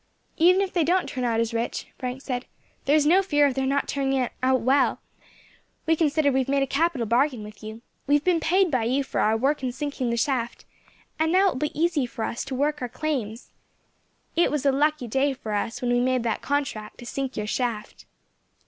"Even if they don't turn out as rich," Frank said, "there is no fear of their not turning out well. We consider we have made a capital bargain with you; we have been paid by you for our work in sinking the shaft, and now it will be easy for us to work our claims. It was a lucky day for us when we made that contract to sink your shaft."